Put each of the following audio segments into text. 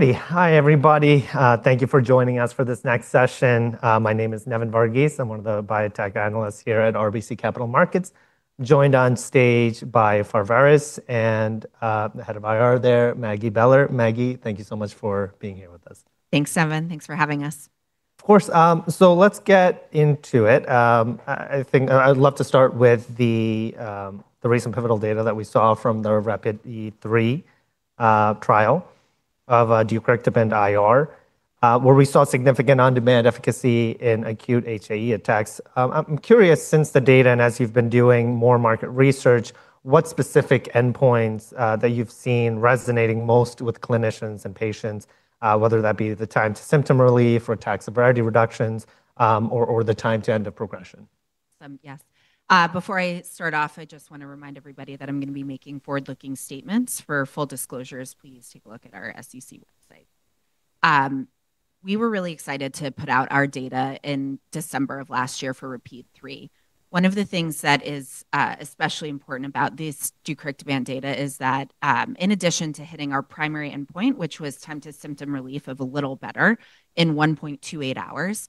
All right. Hi everybody. Thank you for joining us for this next session. My name is Nevin Varghese. I'm one of the biotech analysts here at RBC Capital Markets, joined on stage by Pharvaris and the head of IR there, Maggie Beller. Maggie, thank you so much for being here with us. Thanks, Nevin. Thanks for having us. Of course. Let's get into it. I think I'd love to start with the recent pivotal data that we saw from the RAPIDe-3 trial of deucrictibant IR, where we saw significant on-demand efficacy in acute HAE attacks. I'm curious, since the data and as you've been doing more market research, what specific endpoints that you've seen resonating most with clinicians and patients, whether that be the time to symptom relief or attack severity reductions, or the time to end of progression? Yes. Before I start off, I just want to remind everybody that I'm going to be making forward-looking statements. For full disclosures, please take a look at our SEC website. We were really excited to put out our data in December of last year for RAPIDe-3. One of the things that is especially important about this deucrictibant data is that, in addition to hitting our primary endpoint, which was time to symptom relief of a little better in 1.28 hours,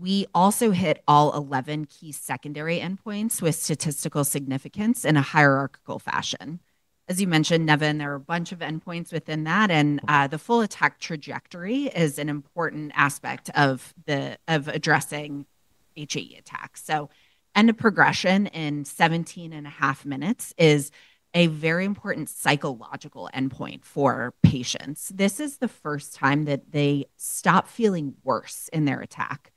we also hit all 11 key secondary endpoints with statistical significance in a hierarchical fashion. As you mentioned, Nevin, there are a bunch of endpoints within that. The full attack trajectory is an important aspect of addressing HAE attacks. End of progression in 17.5 minutes is a very important psychological endpoint for patients. This is the first time that they stop feeling worse in their attack.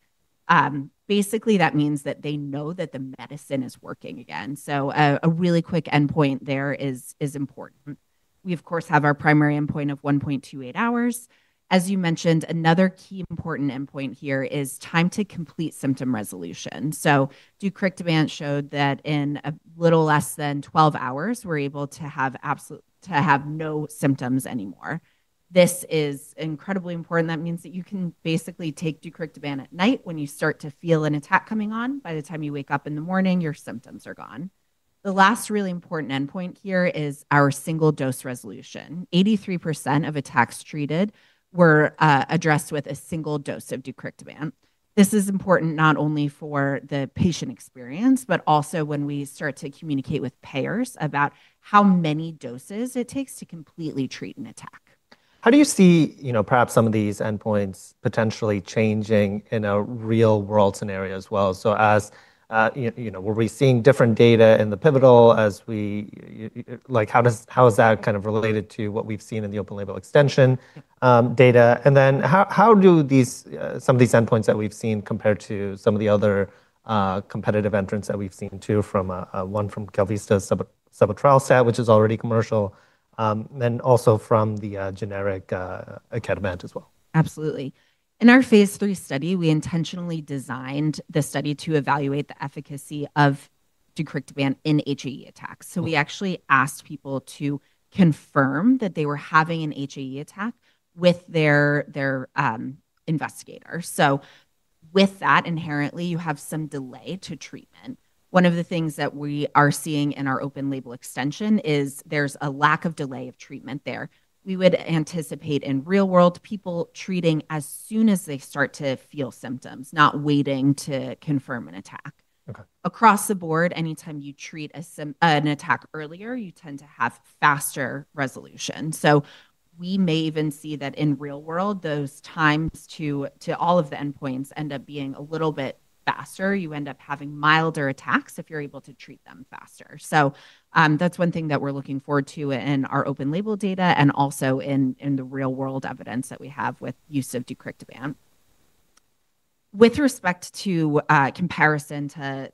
That means that they know that the medicine is working again. A really quick endpoint there is important. We of course have our primary endpoint of 1.28 hours. As you mentioned, another key important endpoint here is time to complete symptom resolution. deucrictibant showed that in a little less than 12 hours, we're able to have no symptoms anymore. This is incredibly important. That means that you can basically take deucrictibant at night when you start to feel an attack coming on. By the time you wake up in the morning, your symptoms are gone. The last really important endpoint here is our single-dose resolution. 83% of attacks treated were addressed with a single dose of deucrictibant. This is important not only for the patient experience, but also when we start to communicate with payers about how many doses it takes to completely treat an attack. How do you see perhaps some of these endpoints potentially changing in a real-world scenario as well? Were we seeing different data in the pivotal, how is that kind of related to what we've seen in the open-label extension data? How do some of these endpoints that we've seen compare to some of the other competitive entrants that we've seen too, one from KalVista's sebetralstat, which is already commercial, and also from the generic icatibant as well? Absolutely. In our phase III study, we intentionally designed the study to evaluate the efficacy of deucrictibant in HAE attacks. We actually asked people to confirm that they were having an HAE attack with their investigator. So, with that, inherently, you have some delay to treatment. One of the things that we are seeing in our open-label extension is there's a lack of delay of treatment there. We would anticipate in real-world people treating as soon as they start to feel symptoms, not waiting to confirm an attack. Okay. Across the board, anytime you treat an attack earlier, you tend to have faster resolution. We may even see that in real world, those times to all of the endpoints end up being a little bit faster. You end up having milder attacks if you're able to treat them faster. That's one thing that we're looking forward to in our open-label data and also in the real world evidence that we have with use of deucrictibant. With respect to comparison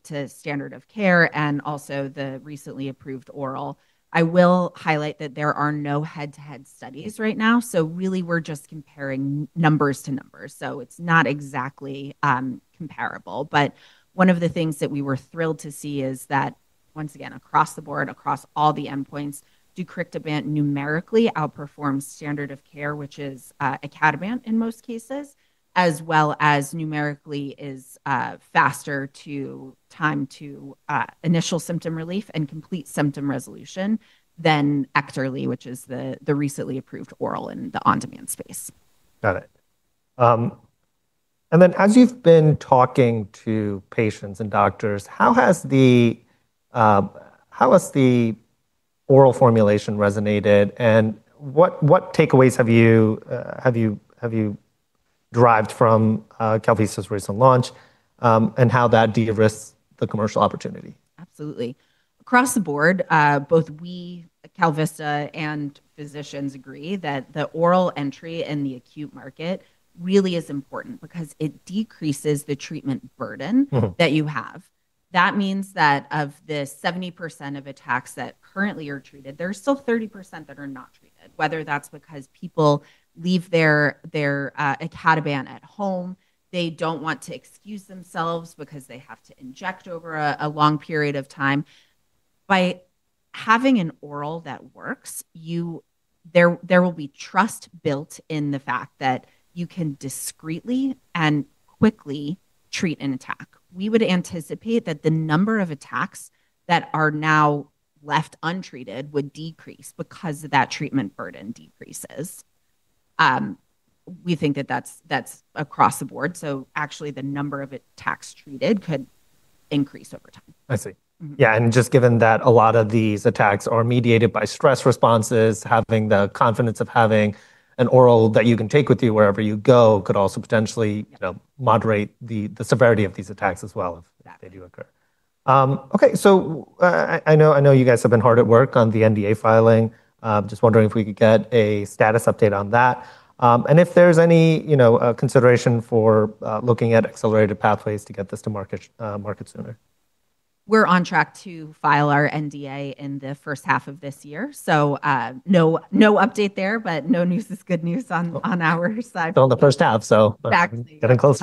to standard of care and also the recently approved oral. I will highlight that there are no head-to-head studies right now, so really we're just comparing numbers to numbers, so it's not exactly comparable. One of the things that we were thrilled to see is that once again, across the board, across all the endpoints, deucrictibant numerically outperforms standard of care, which is icatibant in most cases, as well as numerically is faster to time to initial symptom relief and complete symptom resolution than EKTERLY, which is the recently approved oral in the on-demand space. Got it. As you've been talking to patients and doctors, how has the oral formulation resonated, and what takeaways have you derived from KalVista's recent launch, and how that de-risks the commercial opportunity? Absolutely. Across the board, both we, KalVista, and physicians agree that the oral entry in the acute market really is important because it decreases the treatment burden that you have. That means that of the 70% of attacks that currently are treated, there's still 30% that are not treated, whether that's because people leave their icatibant at home, they don't want to excuse themselves because they have to inject over a long period of time. By having an oral that works, there will be trust built in the fact that you can discreetly and quickly treat an attack. We would anticipate that the number of attacks that are now left untreated would decrease because that treatment burden decreases. We think that that's across the board. Actually, the number of attacks treated could increase over time. I see. Yeah, just given that a lot of these attacks are mediated by stress responses, having the confidence of having an oral that you can take with you wherever you go could also potentially moderate the severity of these attacks as well if they do occur. Okay. I know you guys have been hard at work on the NDA filing. Just wondering if we could get a status update on that. If there's any consideration for looking at accelerated pathways to get this to market sooner? We're on track to file our NDA in the first half of this year, so no update there, but no news is good news on our side. Still in the first half. Exactly Getting close.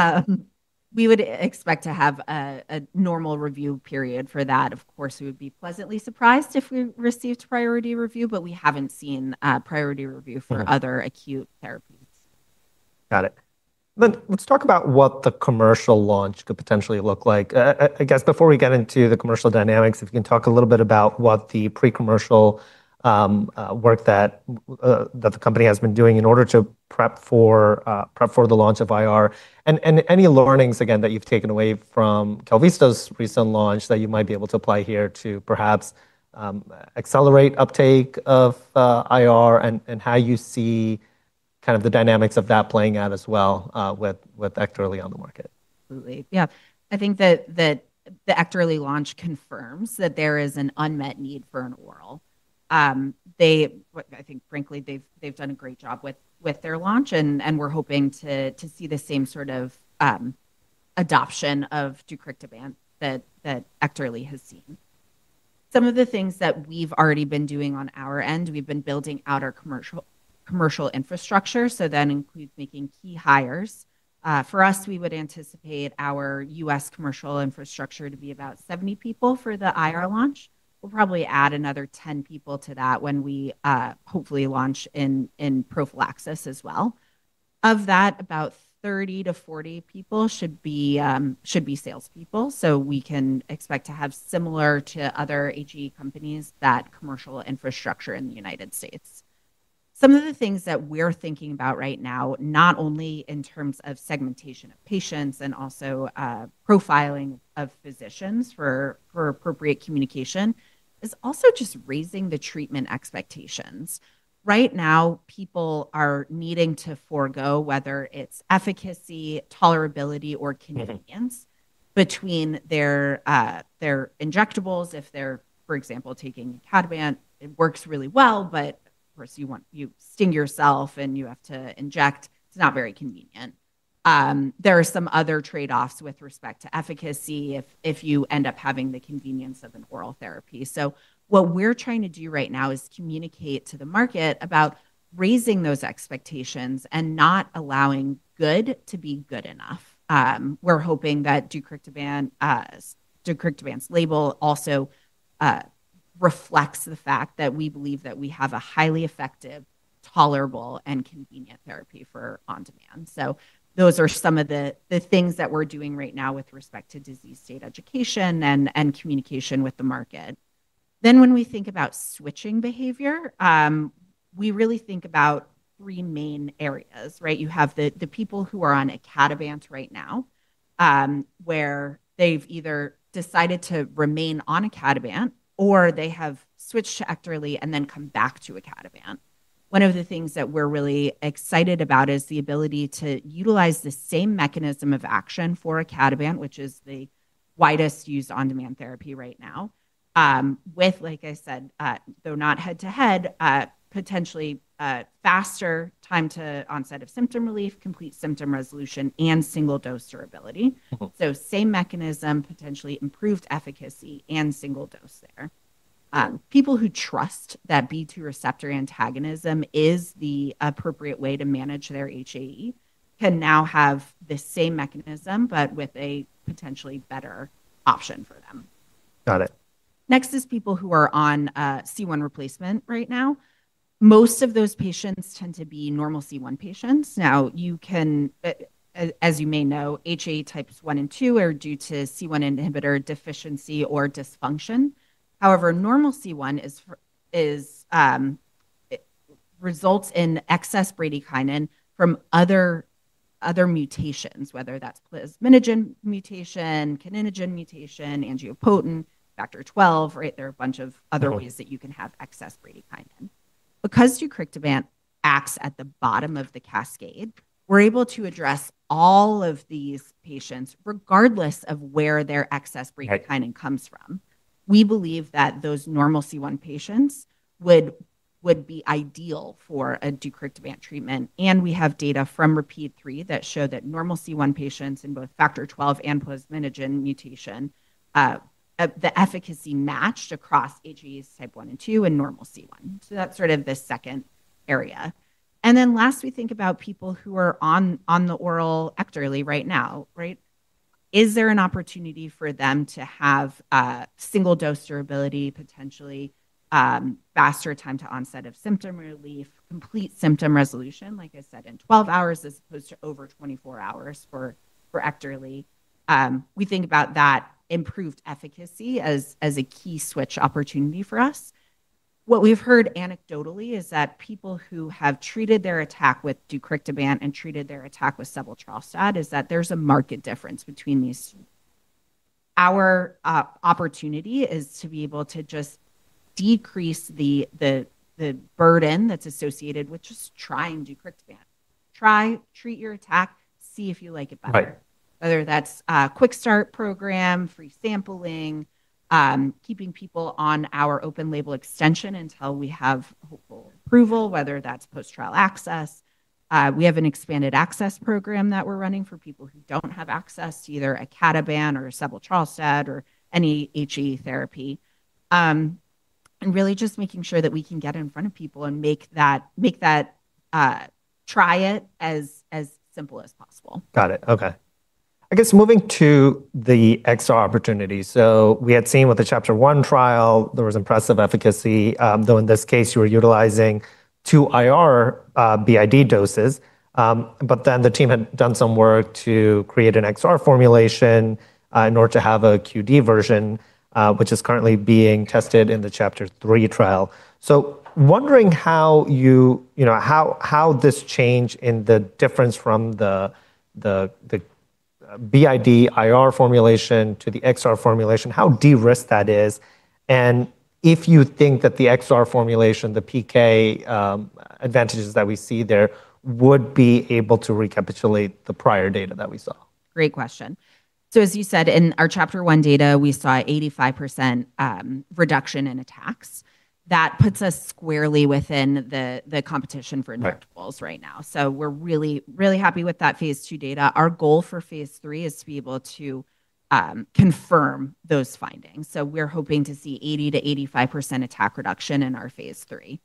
We would expect to have a normal review period for that. We would be pleasantly surprised if we received priority review, but we haven't seen a priority review for other acute therapies. Got it. Let's talk about what the commercial launch could potentially look like. I guess before we get into the commercial dynamics, if you can talk a little bit about what the pre-commercial work that the company has been doing in order to prep for the launch of IR and any learnings, again, that you've taken away from KalVista's recent launch that you might be able to apply here to perhaps accelerate uptake of IR and how you see the dynamics of that playing out as well with EKTERLY on the market. Absolutely. Yeah. I think that the EKTERLY launch confirms that there is an unmet need for an oral. I think frankly they've done a great job with their launch, and we're hoping to see the same sort of adoption of deucrictibant that EKTERLY has seen. Some of the things that we've already been doing on our end, we've been building out our commercial infrastructure, so that includes making key hires. For us, we would anticipate our U.S. commercial infrastructure to be about 70 people for the IR launch. We'll probably add another 10 people to that when we hopefully launch in prophylaxis as well. Of that, about 30-40 people should be salespeople. We can expect to have similar to other HAE companies, that commercial infrastructure in the United States. Some of the things that we're thinking about right now, not only in terms of segmentation of patients and also profiling of physicians for appropriate communication, is also just raising the treatment expectations. Right now, people are needing to forego, whether it's efficacy, tolerability or convenience between their injectables if they're, for example, taking icatibant, it works really well, but of course, you sting yourself, and you have to inject. It's not very convenient. There are some other trade-offs with respect to efficacy if you end up having the convenience of an oral therapy. What we're trying to do right now is communicate to the market about raising those expectations and not allowing good to be good enough. We're hoping that deucrictibant's label also reflects the fact that we believe that we have a highly effective, tolerable, and convenient therapy for on-demand. Those are some of the things that we're doing right now with respect to disease state education and communication with the market. When we think about switching behavior, we really think about three main areas, right? You have the people who are on icatibant right now, where they've either decided to remain on icatibant or they have switched to EKTERLY and then come back to icatibant. One of the things that we're really excited about is the ability to utilize the same mechanism of action for icatibant, which is the widest used on-demand therapy right now, with, like I said, though not head-to-head, potentially faster time to onset of symptom relief, complete symptom resolution, and single-dose durability. Same mechanism, potentially improved efficacy, and single dose there. People who trust that B2 receptor antagonism is the appropriate way to manage their HAE can now have the same mechanism, but with a potentially better option for them. Got it. Next is people who are on C1 replacement right now. Most of those patients tend to be normal C1 patients. Now, as you may know, HAE types one and two are due to C1 inhibitor deficiency or dysfunction. However, normal C1 results in excess bradykinin from other mutations, whether that's plasminogen mutation, kininogen mutation, angiopoietin, factor XII, right? There are a bunch of other ways that you can have excess bradykinin. deucrictibant acts at the bottom of the cascade, we're able to address all of these patients regardless of where their excess bradykinin comes from. We believe that those normal C1 patients would be ideal for a deucrictibant treatment, and we have data from RAPIDe-3 that show that normal C1 patients in both factor XII and plasminogen mutation, the efficacy matched across HAEs Type I and II and normal C1. That's sort of the second area. Last, we think about people who are on the oral EKTERLY right now, right? Is there an opportunity for them to have single-dose durability, potentially faster time to onset of symptom relief, complete symptom resolution, like I said, in 12 hours as opposed to over 24 hours for EKTERLY. We think about that improved efficacy as a key switch opportunity for us. What we've heard anecdotally is that people who have treated their attack with deucrictibant and treated their attack with sebetralstat is that there's a marked difference between these two. Our opportunity is to be able to just decrease the burden that's associated with just trying deucrictibant. Try, treat your attack, see if you like it better. Right. Whether that's a quick start program, free sampling, keeping people on our open label extension until we have hopeful approval, whether that's post-trial access. We have an expanded access program that we're running for people who don't have access to either icatibant or sebetralstat or any HAE therapy. Really just making sure that we can get in front of people and make that try it as simple as possible. Got it. Okay. I guess moving to the XR opportunity. We had seen with the CHAPTER-1 trial, there was impressive efficacy, though in this case you were utilizing 2 IR BID doses. The team had done some work to create an XR formulation in order to have a QD version, which is currently being tested in the CHAPTER-3 trial. Wondering how this change in the difference from the BID IR formulation to the XR formulation, how de-risked that is, and if you think that the XR formulation, the PK advantages that we see there would be able to recapitulate the prior data that we saw. Great question. As you said, in our CHAPTER-1 data, we saw 85% reduction in attacks. That puts us squarely within the competition for injectables right now. We're really happy with that phase II data. Our goal for Phase III is to be able to confirm those findings. We're hoping to see 80%-85% attack reduction in our Phase III.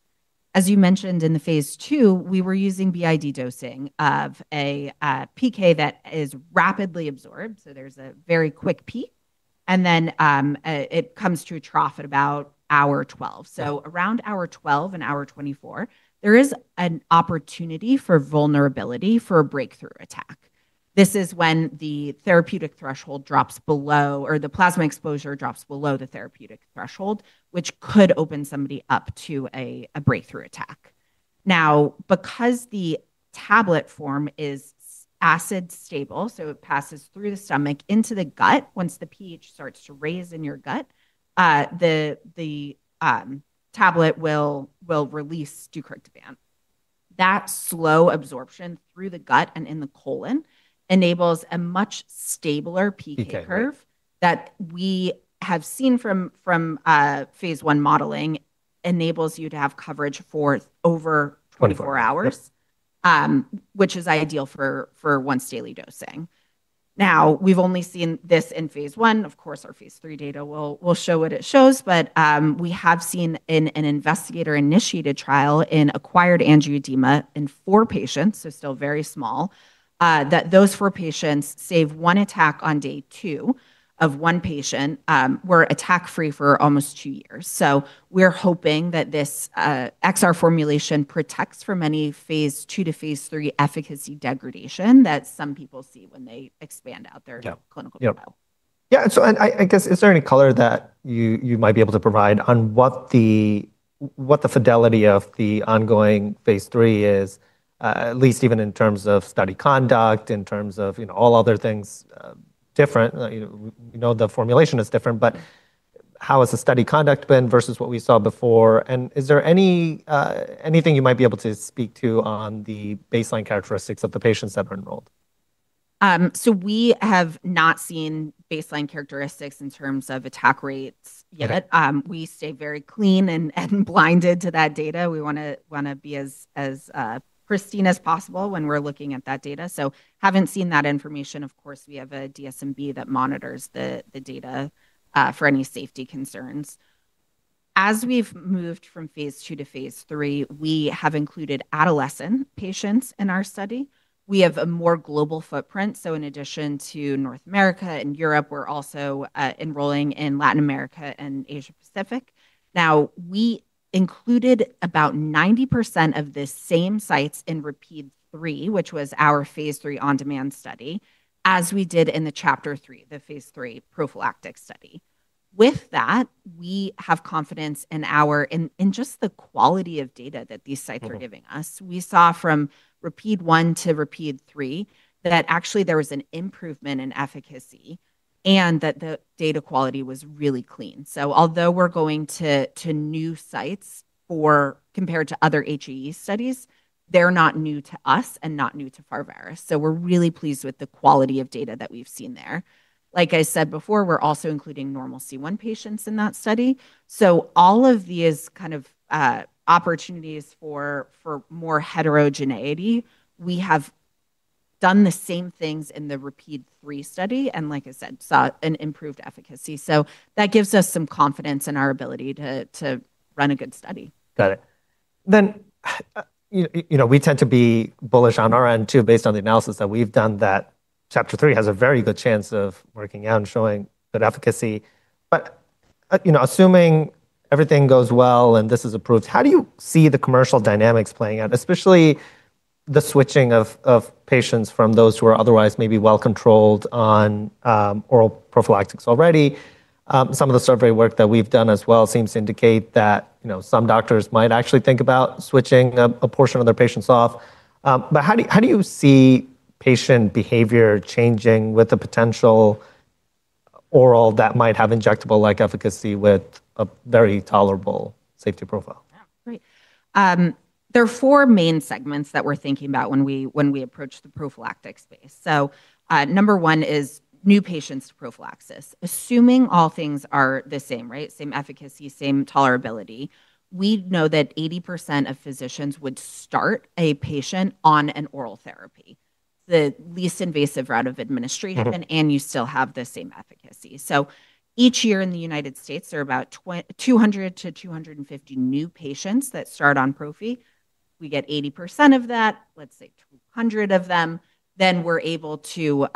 As you mentioned, in the Phase II, we were using BID dosing of a PK that is rapidly absorbed, so there's a very quick peak, and then it comes to a trough at about hour 12. Around hour 12 and hour 24, there is an opportunity for vulnerability for a breakthrough attack. This is when the therapeutic threshold drops below, or the plasma exposure drops below the therapeutic threshold, which could open somebody up to a breakthrough attack. Because the tablet form is acid stable, so it passes through the stomach into the gut, once the pH starts to raise in your gut, the tablet will release deucrictibant. That slow absorption through the gut and in the colon enables a much stabler PK curve that we have seen from Phase I modeling enables you to have coverage for over 24 hours. Yep. Which is ideal for once-daily dosing. We've only seen this in Phase I. Of course, our phase III data will show what it shows, but we have seen in an investigator-initiated trial in acquired angioedema in four patients, so still very small, that those four patients, save one attack on day two of one patient, were attack-free for almost two years. We're hoping that this XR formulation protects from any Phase II to Phase III efficacy degradation that some people see when they expand out their-clinical trial. Yeah. I guess, is there any color that you might be able to provide on what the fidelity of the ongoing Phase III is, at least even in terms of study conduct, in terms of all other things different? We know the formulation is different, but how has the study conduct been versus what we saw before? Is there anything you might be able to speak to on the baseline characteristics of the patients that were enrolled? We have not seen baseline characteristics in terms of attack rates yet. Okay. We stay very clean and blinded to that data. We want to be as pristine as possible when we're looking at that data. Haven't seen that information. Of course, we have a DSMB that monitors the data for any safety concerns. As we've moved from Phase II to Phase III, we have included adolescent patients in our study. We have a more global footprint, so in addition to North America and Europe, we're also enrolling in Latin America and Asia Pacific. We included about 90% of the same sites in RAPIDe-3, which was our Phase III on-demand study, as we did in the CHAPTER-3, the Phase III prophylactic study. With that, we have confidence in just the quality of data that these sites are giving us. We saw from RAPIDe-1 to RAPIDe-3 that actually there was an improvement in efficacy, and that the data quality was really clean. Although we're going to new sites compared to other HAE studies, they're not new to us and not new to Pharvaris. We're really pleased with the quality of data that we've seen there. Like I said before, we're also including normal C1 patients in that study. All of these kinds of opportunities for more heterogeneity, we have done the same things in the RAPIDe-3 study, and like I said, saw an improved efficacy. That gives us some confidence in our ability to run a good study. Got it. We tend to be bullish on our end too based on the analysis that we've done that CHAPTER-3 has a very good chance of working out and showing good efficacy. Assuming everything goes well and this is approved, how do you see the commercial dynamics playing out, especially the switching of patients from those who are otherwise maybe well-controlled on oral prophylactics already? Some of the survey work that we've done as well seems to indicate that some doctors might actually think about switching a portion of their patients off. How do you see patient behavior changing with the potential oral that might have injectable-like efficacy with a very tolerable safety profile? Yeah. Right. There are four main segments that we're thinking about when we approach the prophylactic space. Number one is new patients to prophylaxis. Assuming all things are the same, right? Same efficacy, same tolerability. We know that 80% of physicians would start a patient on an oral therapy, the least invasive route of administration. You still have the same efficacy. Each year in the United States, there are about 200-250 new patients that start on prophy. We get 80% of that, let's say 200 of them. We're able to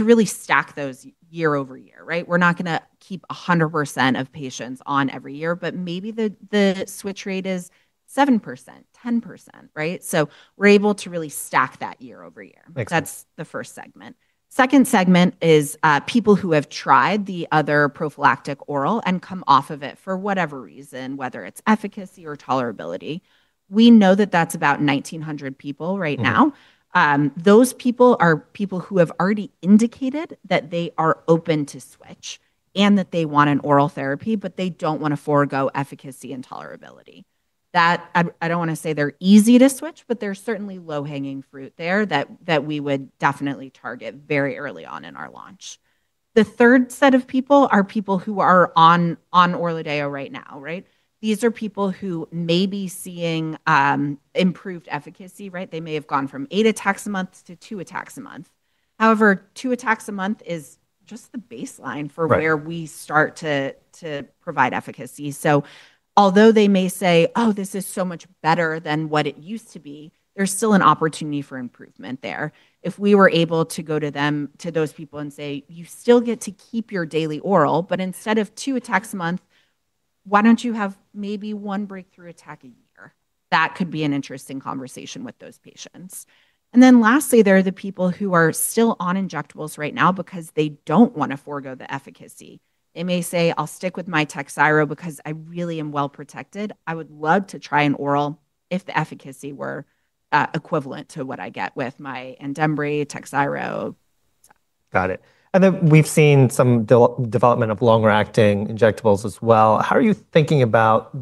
really stack those year-over-year, right? We're not going to keep 100% of patients on every year, but maybe the switch rate is 7%, 10%, right? We're able to really stack that year-over-year. Makes sense. That's the first segment. Second segment is people who have tried the other prophylactic oral and come off of it for whatever reason, whether it's efficacy or tolerability. We know that that's about 1,900 people right now. Those people are people who have already indicated that they are open to switch, and that they want an oral therapy, but they don't want to forego efficacy and tolerability. That, I don't want to say they're easy to switch, but they're certainly low-hanging fruit there that we would definitely target very early on in our launch. The third set of people are people who are on ORLADEYO right now, right? These are people who may be seeing improved efficacy, right? They may have gone from 8 attacks a month to 2 attacks a month. However, 2 attacks a month is just the baseline where we start to provide efficacy. Although they may say, "Oh, this is so much better than what it used to be," there's still an opportunity for improvement there. If we were able to go to those people and say, "You still get to keep your daily oral, but instead of 2 attacks a month, why don't you have maybe 1 breakthrough attack a year?" That could be an interesting conversation with those patients. Lastly, there are the people who are still on injectables right now because they don't want to forego the efficacy. They may say, "I'll stick with my Takhzyro because I really am well protected. I would love to try an oral if the efficacy were equivalent to what I get with my ORLADEYO, Takhzyro." Got it. We've seen some development of longer-acting injectables as well. How are you thinking about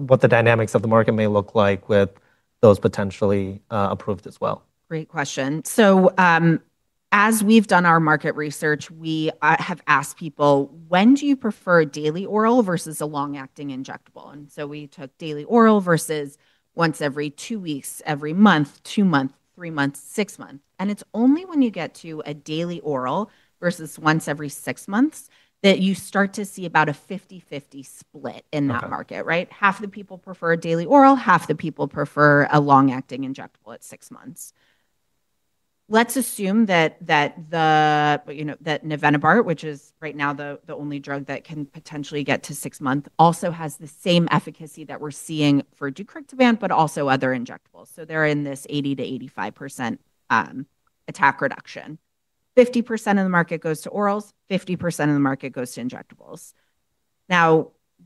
what the dynamics of the market may look like with those potentially approved as well? Great question. As we've done our market research, we have asked people, when do you prefer a daily oral versus a long-acting injectable? We took daily oral versus once every 2 weeks, every month, 2 months, 3 months, 6 months. It's only when you get to a daily oral versus once every 6 months that you start to see about a 50/50 split in that market, right? Okay. Half the people prefer a daily oral, half the people prefer a long-acting injectable at 6 months. Let's assume that garadacimab, which is right now the only drug that can potentially get to 6 months, also has the same efficacy that we're seeing for deucrictibant, but also other injectables. They're in this 80%-85% attack reduction. 50% of the market goes to orals, 50% of the market goes to injectables.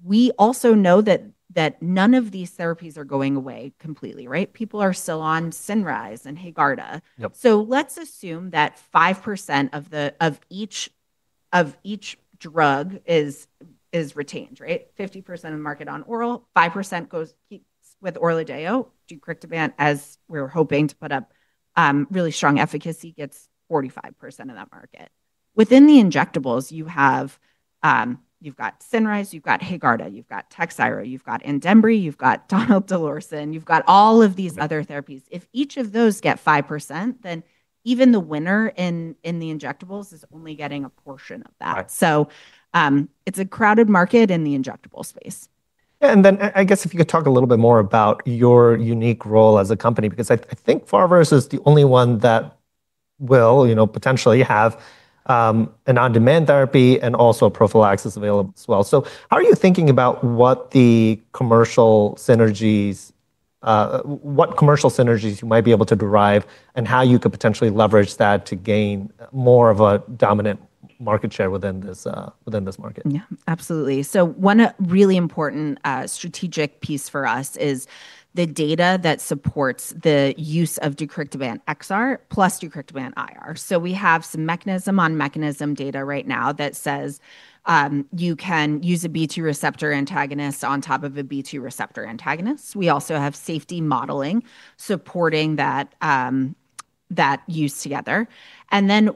We also know that none of these therapies are going away completely, right? People are still on Cinryze and Haegarda. Yep. Let's assume that 5% of each drug is retained, right? 50% of the market on oral, 5% keeps with ORLADEYO, deucrictibant, as we're hoping to put up really strong efficacy, gets 45% of that market. Within the injectables, you've got Cinryze, you've got Haegarda, you've got Takhzyro, you've got ORLADEYO, you've got donidalorsen, you've got all of these other therapies. If each of those get 5%, then even the winner in the injectables is only getting a portion of that. Right. It's a crowded market in the injectable space. Yeah. I guess if you could talk a little bit more about your unique role as a company, because I think Pharvaris is the only one that will potentially have an on-demand therapy and also prophylaxis available as well. How are you thinking about what commercial synergies you might be able to derive, and how you could potentially leverage that to gain more of a dominant market share within this market? Yeah, absolutely. One really important strategic piece for us is the data that supports the use of deucrictibant extended-release plus deucrictibant immediate-release. We have some mechanism on mechanism data right now that says you can use a B2 receptor antagonist on top of a B2 receptor antagonist. We also have safety modeling supporting that use together.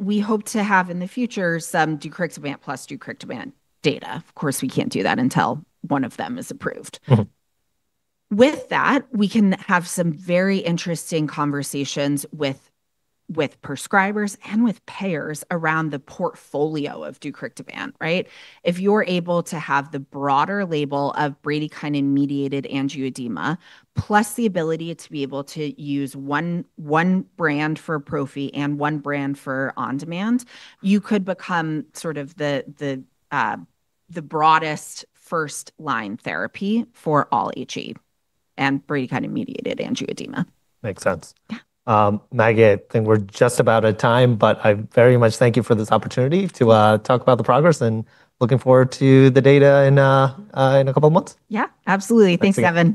We hope to have in the future some deucrictibant plus deucrictibant data. Of course, we can't do that until one of them is approved. With that, we can have some very interesting conversations with prescribers and with payers around the portfolio of deucrictibant, right? If you're able to have the broader label of bradykinin-mediated angioedema, plus the ability to be able to use one brand for prophy and one brand for on-demand, you could become sort of the broadest first-line therapy for all HAE and bradykinin-mediated angioedema. Makes sense. Yeah. Maggie, I think we're just about at time, but I very much thank you for this opportunity to talk about the progress and looking forward to the data in a couple of months. Yeah, absolutely. Thanks. Thanks, Nevin.